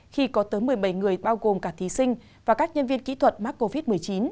khi có tới một mươi bảy người bao gồm cả thí sinh và các nhân viên kỹ thuật mắc covid một mươi chín